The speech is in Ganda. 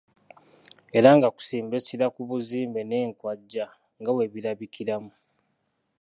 Era nga kusimba essira ku buzimbe n’enkwajja nga bwe birabikiramu.